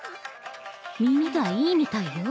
耳がいいみたいよ。